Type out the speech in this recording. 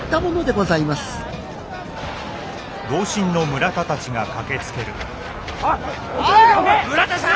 ・村田さん！